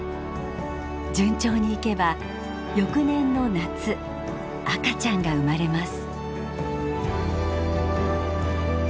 順調にいけば翌年の夏赤ちゃんが生まれます。